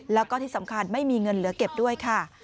แล้วก็ที่สำคัญไม่มีเงินเหลือเก็บด้วยค่ะ